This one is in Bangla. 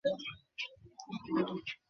না, কিজি, না।